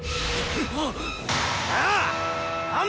ああ！